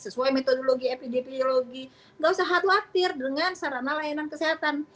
sesuai metodologi epidemiologi gak usah khawatir dengan sarana layanan kesehatan